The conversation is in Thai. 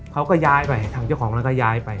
เขาก็ย้ายไปทางเจ้าของแล้วก็ย้ายไป